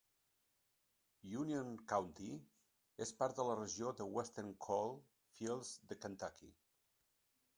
Union County és part de la regió de Western Coal Fields de Kentucky.